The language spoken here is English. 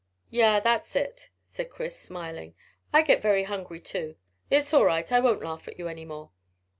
"Yea, that's it," said Chris, smiling. "I get very hungry too. It's all right; I won't laugh at you any more.